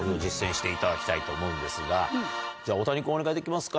大谷君お願いできますか。